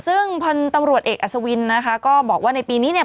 ซึ่งพันธุ์ตำรวจเอกอัศวินนะคะก็บอกว่าในปีนี้เนี่ย